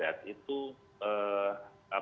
teratur gitu ya